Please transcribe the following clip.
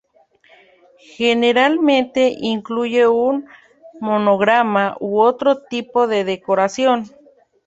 Generalmente, incluye un monograma u otro tipo de decoración.